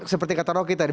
seperti kata rokin tadi